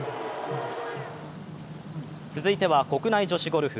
続いては国内女子ゴルフ。